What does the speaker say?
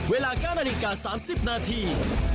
เวลา๙นาฬิกา๓๐นาที